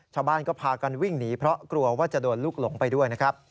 ชาวบ้านก็พากันวิ่งหนีเพราะกลัวว่าจะโดนลูกหลงไปด้วยนะครับ